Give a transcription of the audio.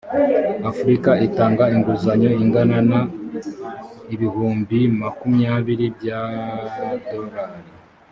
afurika itanga inguzanyo ingana na ibihumbi makumyabiri byadorari.